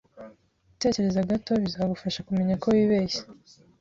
Gutekereza gato bizagufasha kumenya ko wibeshye